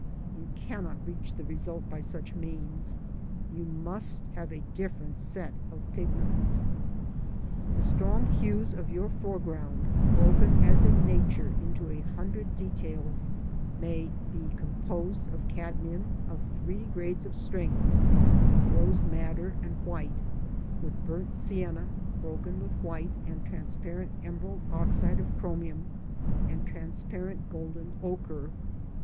You cannot reach the result by such means; you must have a different set of pigments. The strong hues of your for^^ound, broken, as in Nature, into a hundred details, may be composed of cadmium of three grades of strength, of rose madder, and white, with burnt sienna broken with white and trans parent emerald oxide of chromium, and transparent golden ochre.